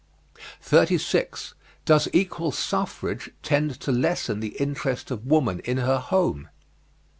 36. Does equal suffrage tend to lessen the interest of woman in her home?